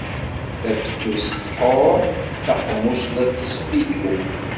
Tafettust teqqur, taqemmuct la tesfituṛ.